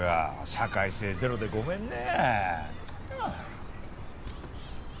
社会性ゼロでごめんね。